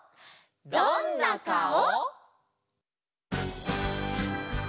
「どんなかお」！